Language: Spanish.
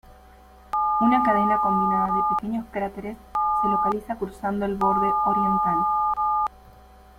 Una cadena combinada de pequeños cráteres se localiza cruzando el borde oriental.